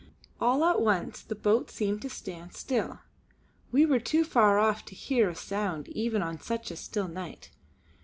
All at once the boat seemed to stand still, we were too far off to hear a sound even on such a still night.